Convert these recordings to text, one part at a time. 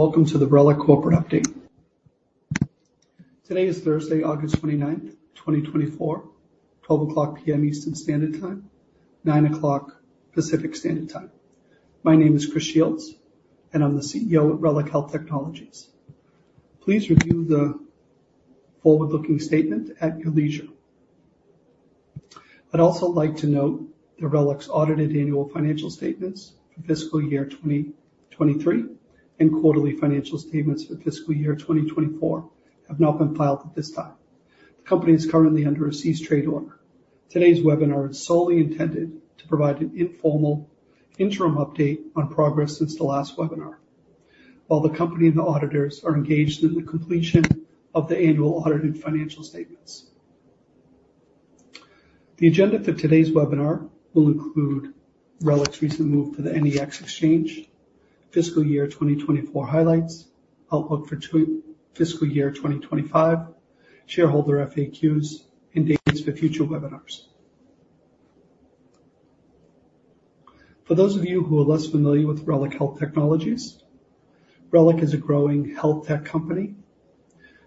Welcome to the Reliq corporate update. Today is Thursday, August 29th, 2024, 12:00 P.M. Eastern Standard Time, 9:00 A.M. Pacific Standard Time. My name is Chris Shields, and I'm the CEO of Reliq Health Technologies. Please review the forward-looking statement at your leisure. I'd also like to note that Reliq's audited annual financial statements for fiscal year 2023 and quarterly financial statements for fiscal year 2024 have not been filed at this time. The company is currently under a Cease Trade Order. Today's webinar is solely intended to provide an informal interim update on progress since the last webinar, while the company and the auditors are engaged in the completion of the annual audited financial statements. The agenda for today's webinar will include Reliq's recent move to the NEX Exchange, fiscal year 2024 highlights, outlook for fiscal year 2024, shareholder FAQs, and dates for future webinars. For those of you who are less familiar with Reliq Health Technologies, Reliq is a growing health tech company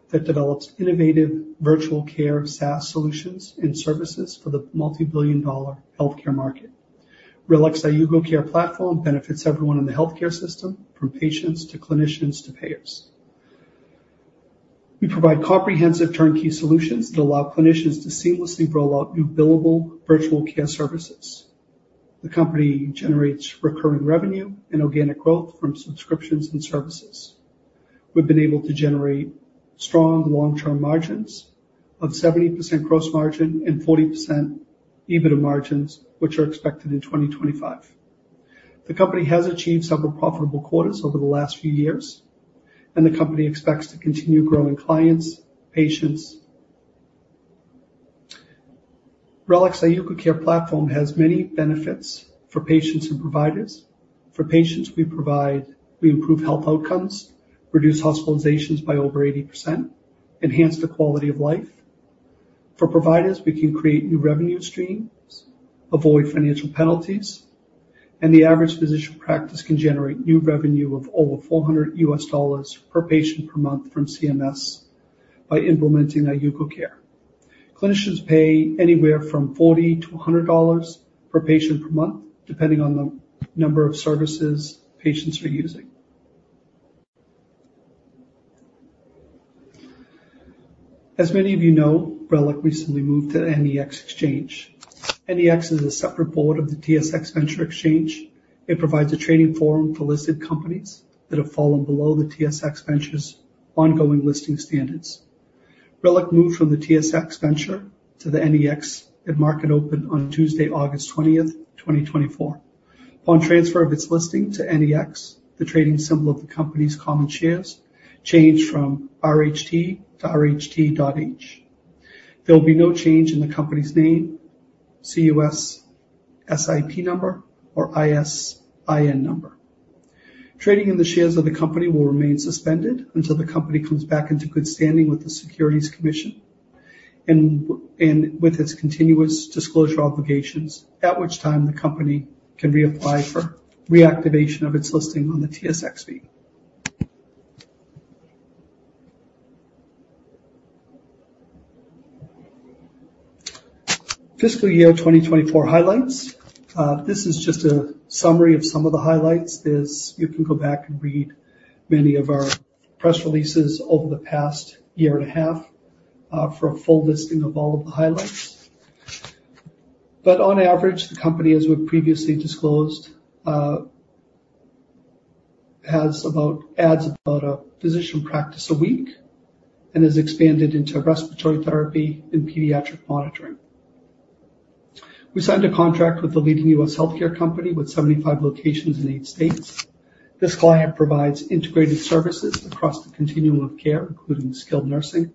that develops innovative virtual care SaaS solutions and services for the multi-billion-dollar healthcare market. Reliq's iUGO Care platform benefits everyone in the healthcare system, from patients to clinicians to payers. We provide comprehensive turnkey solutions that allow clinicians to seamlessly roll out new billable virtual care services. The company generates recurring revenue and organic growth from subscriptions and services. We've been able to generate strong long-term margins of 70% gross margin and 40% EBITDA margins, which are expected in 2025. The company has achieved several profitable quarters over the last few years, and the company expects to continue growing clients, patients. Reliq's iUGO Care platform has many benefits for patients and providers. For patients, we provide... We improve health outcomes, reduce hospitalizations by over 80%, enhance the quality of life. For providers, we can create new revenue streams, avoid financial penalties, and the average physician practice can generate new revenue of over $400 per patient per month from CMS by implementing iUGO Care. Clinicians pay anywhere from $40-$100 per patient per month, depending on the number of services patients are using. As many of you know, Reliq recently moved to the NEX Exchange. NEX is a separate board of the TSX Venture Exchange. It provides a trading forum for listed companies that have fallen below the TSX Venture's ongoing listing standards. Reliq moved from the TSX Venture to the NEX at market open on Tuesday, August 20th, 2024. Upon transfer of its listing to NEX, the trading symbol of the company's common shares changed from RHT to RHT.H. There will be no change in the company's name, CUSIP number, or ISIN number. Trading in the shares of the company will remain suspended until the company comes back into good standing with the Securities Commission and with its continuous disclosure obligations, at which time the company can reapply for reactivation of its listing on the TSXV. Fiscal year 2024 highlights. This is just a summary of some of the highlights, as you can go back and read many of our press releases over the past year and a half, for a full listing of all of the highlights. But on average, the company, as we've previously disclosed, has about, adds about a physician practice a week and has expanded into respiratory therapy and pediatric monitoring. We signed a contract with a leading U.S. healthcare company with 75 locations in eight states. This client provides integrated services across the continuum of care, including skilled nursing,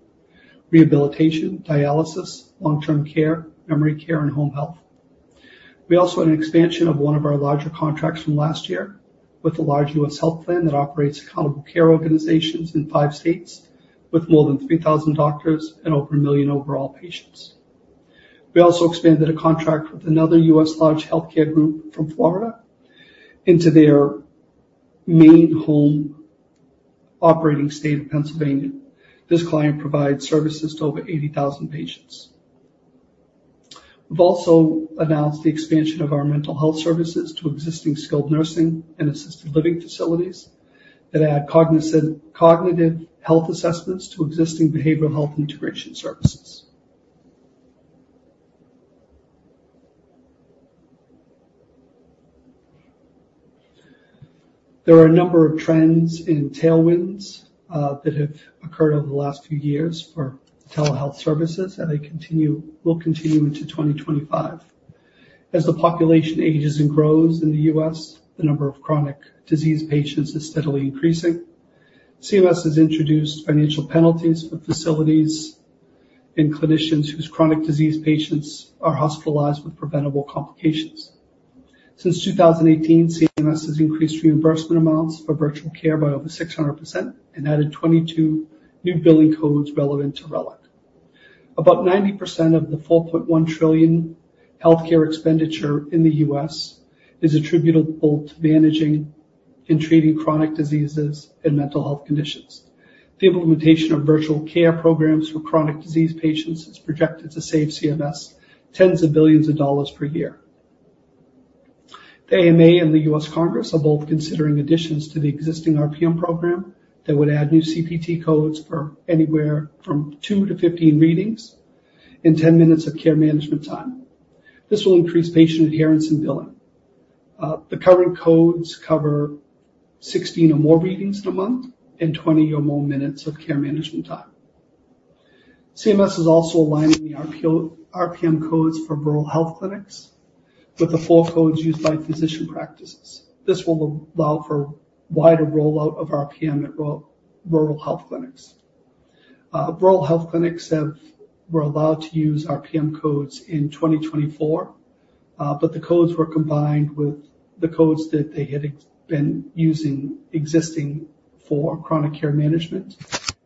rehabilitation, dialysis, long-term care, memory care, and home health. We also had an expansion of one of our larger contracts from last year with a large U.S. health plan that operates accountable care organizations in five states, with more than three thousand doctors and over a million overall patients. We also expanded a contract with another U.S. large healthcare group from Florida into their main home operating state of Pennsylvania. This client provides services to over 80,000 patients. We've also announced the expansion of our mental health services to existing skilled nursing and assisted living facilities that add cognitive health assessments to existing behavioral health integration services. There are a number of trends and tailwinds that have occurred over the last few years for telehealth services, and they continue, will continue into 2025. As the population ages and grows in the U.S., the number of chronic disease patients is steadily increasing. CMS has introduced financial penalties for facilities and clinicians whose chronic disease patients are hospitalized with preventable complications. Since 2018, CMS has increased reimbursement amounts for virtual care by over 600% and added 22 new billing codes relevant to Reliq. About 90% of the $4.1 trillion healthcare expenditure in the U.S. is attributable to managing and treating chronic diseases and mental health conditions. The implementation of virtual care programs for chronic disease patients is projected to save CMS tens of billions of dollars per year. The AMA and the U.S. Congress are both considering additions to the existing RPM program that would add new CPT codes for anywhere from two to 15 readings and 10 minutes of care management time. This will increase patient adherence and billing. The current codes cover 16 or more readings in a month and 20 or more minutes of care management time. CMS is also aligning the RHC-RPM codes for rural health clinics with the full codes used by physician practices. This will allow for wider rollout of RPM at rural health clinics. Rural health clinics were allowed to use RPM codes in 2024, but the codes were combined with the codes that they had been using existing for chronic care management.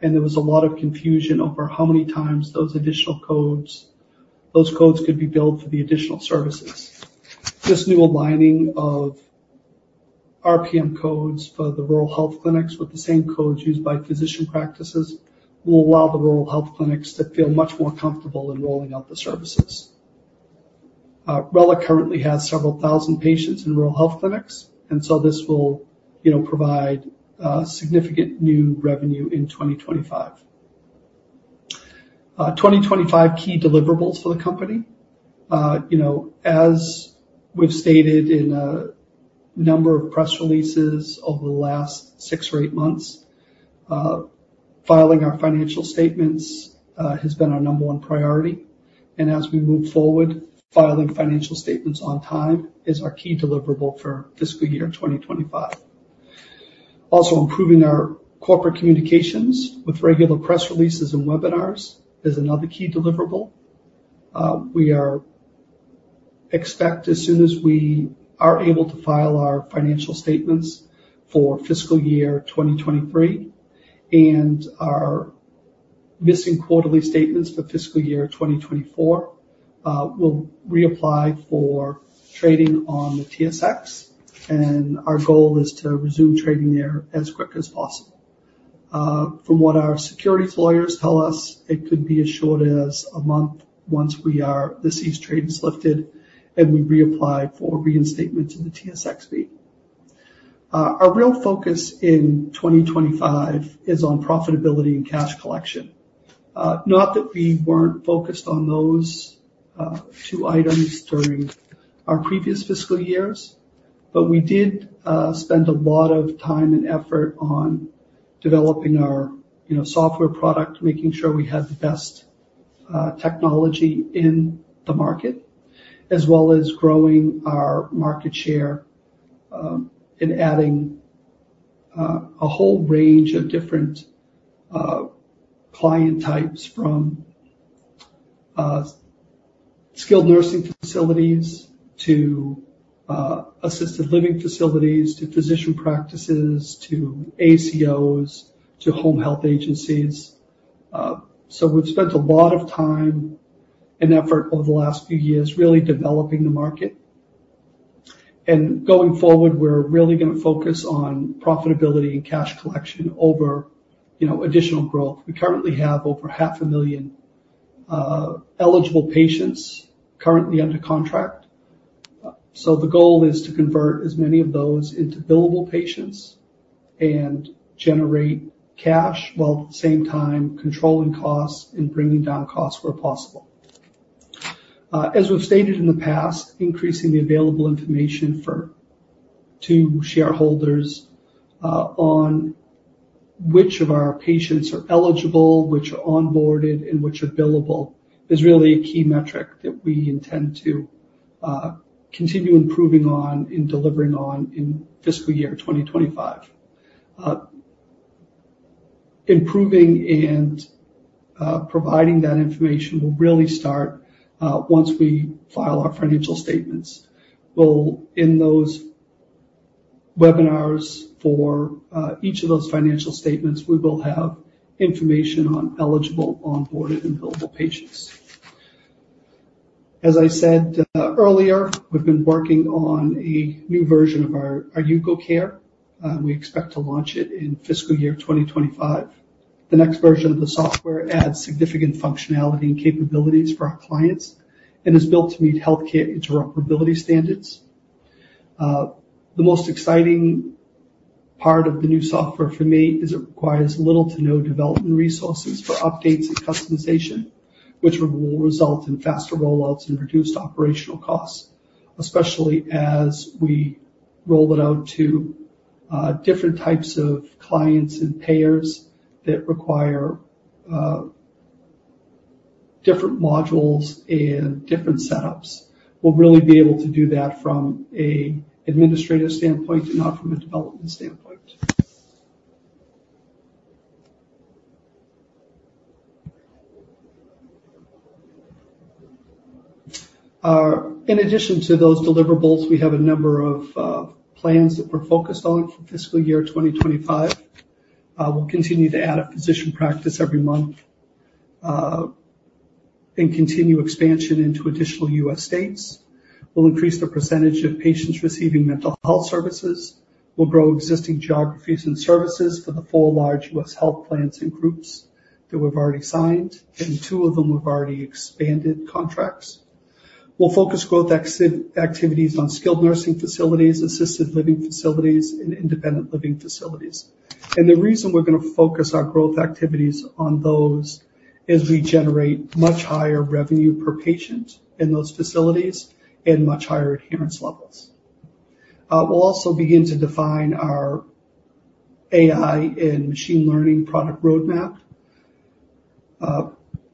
There was a lot of confusion over how many times those additional codes, those codes could be billed for the additional services. This new aligning of RPM codes for the rural health clinics with the same codes used by physician practices will allow the rural health clinics to feel much more comfortable in rolling out the services. Reliq currently has several thousand patients in rural health clinics, and so this will, you know, provide significant new revenue in 2025. 2025 key deliverables for the company. You know, as we've stated in a number of press releases over the last six or eight months, filing our financial statements has been our number one priority. As we move forward, filing financial statements on time is our key deliverable for fiscal year 2024. Also, improving our corporate communications with regular press releases and webinars is another key deliverable. We expect as soon as we are able to file our financial statements for fiscal year 2023 and our missing quarterly statements for fiscal year 2024, we'll reapply for trading on the TSX, and our goal is to resume trading there as quick as possible. From what our securities lawyers tell us, it could be as short as a month once the cease trade order is lifted and we reapply for reinstatement in the TSX Venture. Our real focus in 2025 is on profitability and cash collection. Not that we weren't focused on those two items during our previous fiscal years, but we did spend a lot of time and effort on developing our, you know, software product, making sure we had the best technology in the market, as well as growing our market share, and adding a whole range of different client types from skilled nursing facilities to assisted living facilities, to physician practices, to ACOs, to home health agencies, so we've spent a lot of time and effort over the last few years really developing the market, and going forward, we're really gonna focus on profitability and cash collection over, you know, additional growth. We currently have over 500,000 eligible patients currently under contract. The goal is to convert as many of those into billable patients and generate cash, while at the same time controlling costs and bringing down costs where possible. As we've stated in the past, increasing the available information to shareholders on which of our patients are eligible, which are onboarded, and which are billable, is really a key metric that we intend to continue improving on and delivering on in fiscal year 2025. Improving and providing that information will really start once we file our financial statements. We'll in those webinars for each of those financial statements, we will have information on eligible, onboarded, and billable patients. As I said earlier, we've been working on a new version of our iUGO Care. We expect to launch it in fiscal year 2025. The next version of the software adds significant functionality and capabilities for our clients and is built to meet healthcare interoperability standards. The most exciting part of the new software for me is it requires little to no development resources for updates and customization, which will result in faster rollouts and reduced operational costs, especially as we roll it out to different types of clients and payers that require different modules and different setups. We'll really be able to do that from an administrative standpoint and not from a development standpoint. In addition to those deliverables, we have a number of plans that we're focused on for fiscal year 2025. We'll continue to add a physician practice every month and continue expansion into additional U.S. states. We'll increase the percentage of patients receiving mental health services. We'll grow existing geographies and services for the four large U.S. health plans and groups that we've already signed, and two of them we've already expanded contracts. We'll focus growth exit activities on skilled nursing facilities, assisted living facilities, and independent living facilities, and the reason we're gonna focus our growth activities on those is we generate much higher revenue per patient in those facilities and much higher adherence levels. We'll also begin to define our AI and machine learning product roadmap.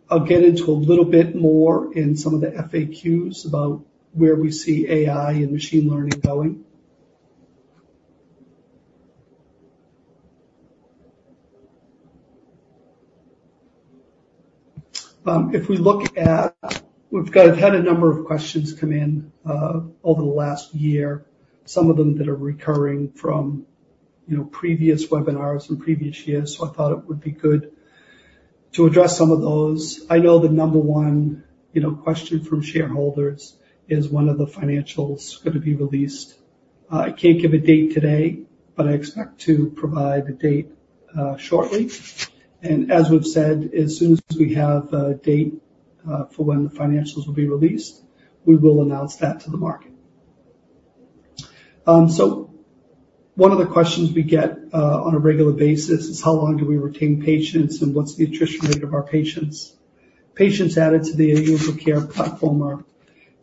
I'll get into a little bit more in some of the FAQs about where we see AI and machine learning going. We had a number of questions come in over the last year, some of them that are recurring from, you know, previous webinars in previous years, so I thought it would be good to address some of those. I know the number one, you know, question from shareholders is, when are the financials going to be released? I can't give a date today, but I expect to provide a date, shortly. And as we've said, as soon as we have a date, for when the financials will be released, we will announce that to the market. So one of the questions we get, on a regular basis is how long do we retain patients, and what's the attrition rate of our patients? Patients added to the iUGO Care platform are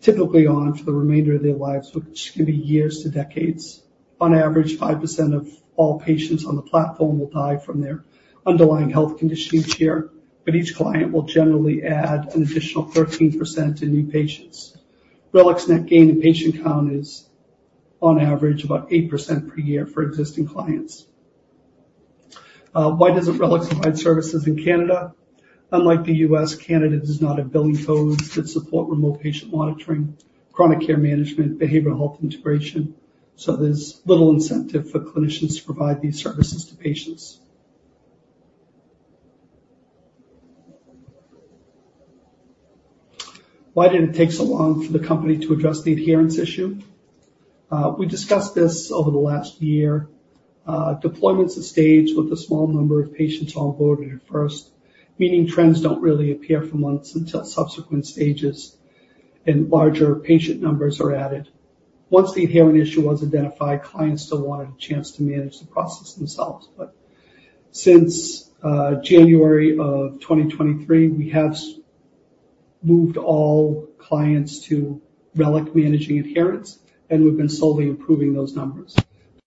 typically on for the remainder of their lives, which could be years to decades. On average, 5% of all patients on the platform will die from their underlying health conditions each year, but each client will generally add an additional 13% to new patients. Reliq net gain in patient count is, on average, about 8% per year for existing clients. Why doesn't Reliq provide services in Canada? Unlike the U.S., Canada does not have billing codes that support remote patient monitoring, chronic care management, behavioral health integration, so there's little incentive for clinicians to provide these services to patients. Why did it take so long for the company to address the adherence issue? We discussed this over the last year. Deployments are staged with a small number of patients onboarded at first, meaning trends don't really appear for months until subsequent stages and larger patient numbers are added. Once the adherence issue was identified, clients still wanted a chance to manage the process themselves. But since January of 2023, we have moved all clients to Reliq managing adherence, and we've been slowly improving those numbers.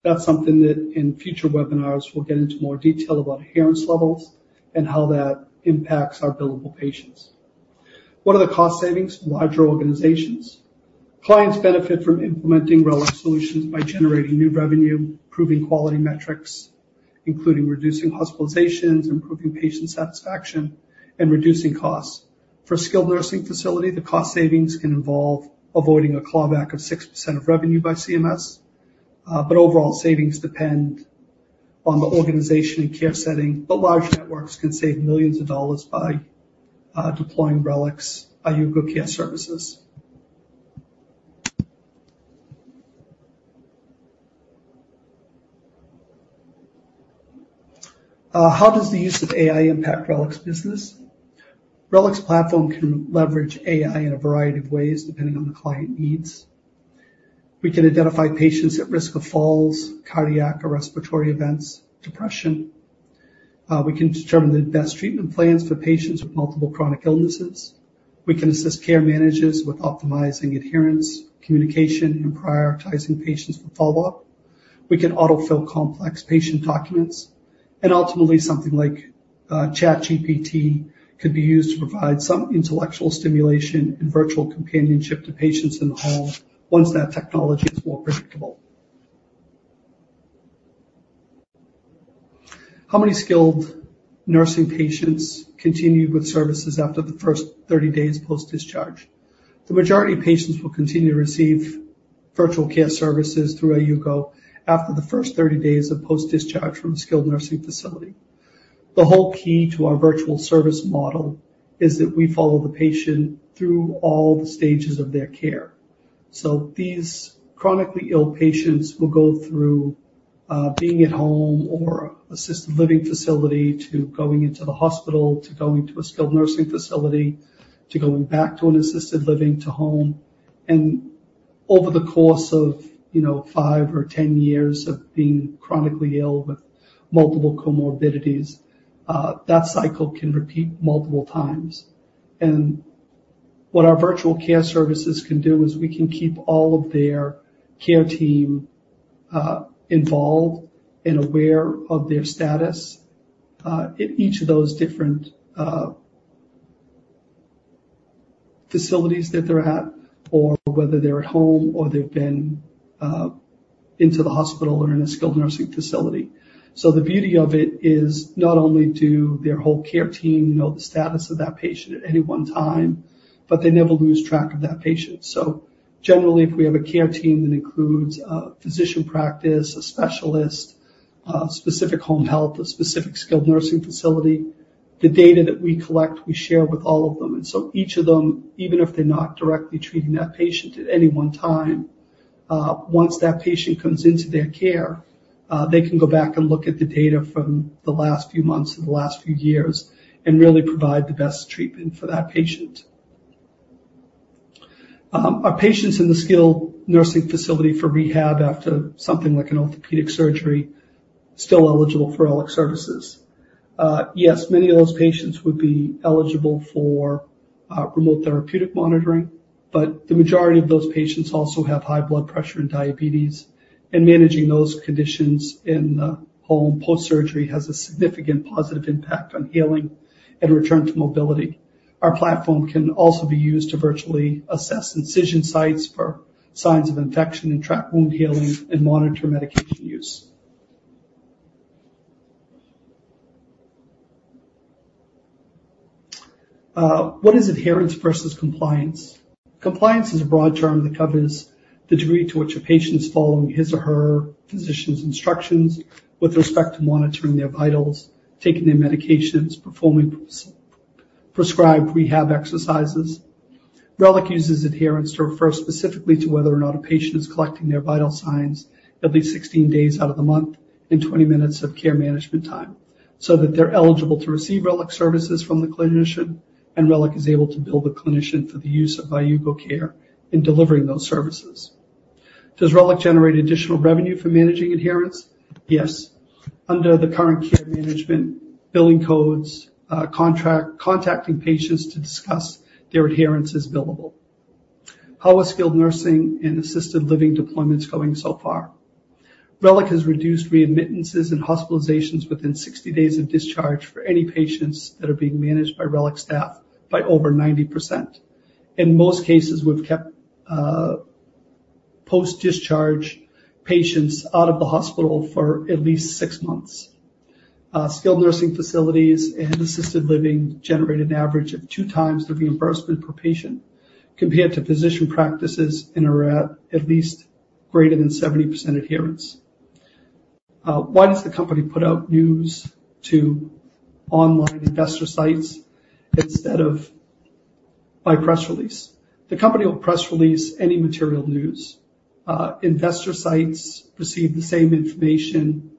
That's something that in future webinars, we'll get into more detail about adherence levels and how that impacts our billable patients. What are the cost savings to larger organizations? Clients benefit from implementing Reliq solutions by generating new revenue, improving quality metrics, including reducing hospitalizations, improving patient satisfaction, and reducing costs. For skilled nursing facility, the cost savings can involve avoiding a clawback of 6% of revenue by CMS, but overall, savings depend on the organization and care setting, but large networks can save millions of dollars by deploying Reliq iUGO Care services. How does the use of AI impact Reliq business? Reliq platform can leverage AI in a variety of ways, depending on the client needs. We can identify patients at risk of falls, cardiac or respiratory events, depression. We can determine the best treatment plans for patients with multiple chronic illnesses. We can assist care managers with optimizing adherence, communication, and prioritizing patients for follow-up. We can autofill complex patient documents, and ultimately, something like ChatGPT could be used to provide some intellectual stimulation and virtual companionship to patients in the home once that technology is more predictable. How many skilled nursing patients continue with services after the first thirty days post-discharge? The majority of patients will continue to receive virtual care services through iUGO after the first thirty days of post-discharge from a skilled nursing facility. The whole key to our virtual service model is that we follow the patient through all the stages of their care. So these chronically ill patients will go through being at home or assisted living facility, to going into the hospital, to going to a skilled nursing facility, to going back to an assisted living to home. Over the course of, you know, five or ten years of being chronically ill with multiple comorbidities, that cycle can repeat multiple times. What our virtual care services can do is we can keep all of their care team involved and aware of their status in each of those different facilities that they're at or whether they're at home or they've been into the hospital or in a skilled nursing facility. The beauty of it is not only do their whole care team know the status of that patient at any one time, but they never lose track of that patient. Generally, if we have a care team that includes a physician practice, a specialist, specific home health, a specific skilled nursing facility, the data that we collect, we share with all of them. And so each of them, even if they're not directly treating that patient at any one time, once that patient comes into their care, they can go back and look at the data from the last few months or the last few years and really provide the best treatment for that patient. Are patients in the skilled nursing facility for rehab after something like an orthopedic surgery, still eligible for Reliq services? Yes, many of those patients would be eligible for remote therapeutic monitoring, but the majority of those patients also have high blood pressure and diabetes, and managing those conditions in the home post-surgery has a significant positive impact on healing and return to mobility. Our platform can also be used to virtually assess incision sites for signs of infection and track wound healing and monitor medication use. What is adherence versus compliance? Compliance is a broad term that covers the degree to which a patient is following his or her physician's instructions with respect to monitoring their vitals, taking their medications, performing prescribed rehab exercises. Reliq uses adherence to refer specifically to whether or not a patient is collecting their vital signs at least 16 days out of the month in 20 minutes of care management time, so that they're eligible to receive Reliq services from the clinician, and Reliq is able to bill the clinician for the use of iUGO Care in delivering those services. Does Reliq generate additional revenue for managing adherence? Yes. Under the current care management, billing codes, contacting patients to discuss their adherence is billable. How are skilled nursing and assisted living deployments going so far? Reliq has reduced readmissions and hospitalizations within 60 days of discharge for any patients that are being managed by Reliq staff by over 90%. In most cases, we've kept post-discharge patients out of the hospital for at least six months. Skilled nursing facilities and assisted living generate an average of two times the reimbursement per patient, compared to physician practices and are at least greater than 70% adherence. Why does the company put out news to online investor sites instead of by press release? The company will press release any material news. Investor sites receive the same information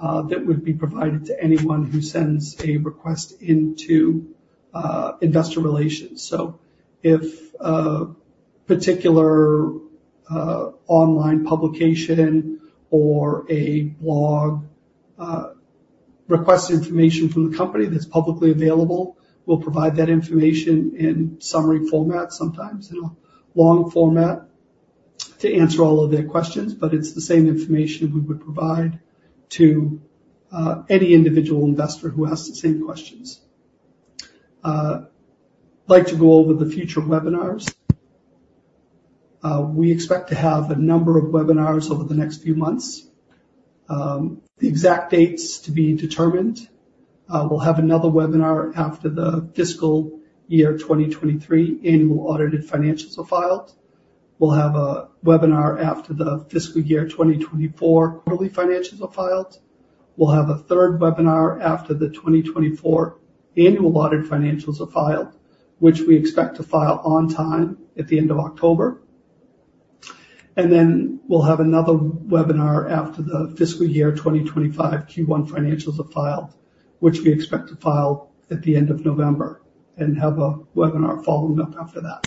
that would be provided to anyone who sends a request into investor relations. So if a particular online publication or a blog requests information from the company that's publicly available, we'll provide that information in summary format, sometimes in a long format, to answer all of their questions. But it's the same information we would provide to any individual investor who asks the same questions. I'd like to go over the future webinars. We expect to have a number of webinars over the next few months. The exact dates to be determined. We'll have another webinar after the fiscal year 2023 annual audited financials are filed. We'll have a webinar after the fiscal year 2024 quarterly financials are filed. We'll have a third webinar after the 2024 annual audited financials are filed, which we expect to file on time at the end of October. And then we'll have another webinar after the fiscal year 2024 Q1 financials are filed, which we expect to file at the end of November, and have a webinar following up after that.